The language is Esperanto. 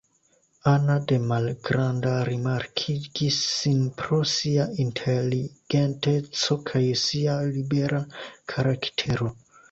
Ana de malgranda rimarkigis sin pro sia inteligenteco kaj sia libera karaktero.